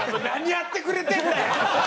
何やってくれてんだよ！